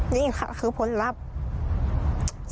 นี่ค่ะคือผลลัพธ์